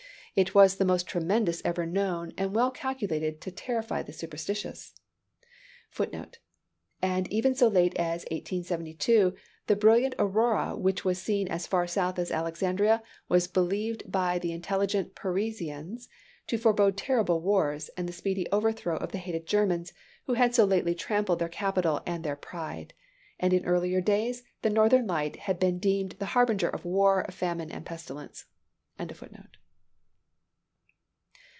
It was the most tremendous ever known, and well calculated to terrify the superstitious.[A] [A] And even so late as 1872, the brilliant aurora which was seen as far south as Alexandria, was believed by the intelligent Parisians to forebode terrible wars, and the speedy overthrow of the hated Germans, who had so lately trampled their capital and their pride. And in earlier days the northern light had been deemed the harbinger of war, famine or pestilence.